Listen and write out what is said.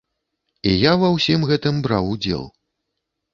І я ва ўсім гэтым браў удзел.